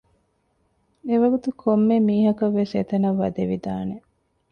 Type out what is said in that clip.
އެވަގުތު ކޮންމެ މީހަކަށްވެސް އެތަނަށް ވަދެވިދާނެ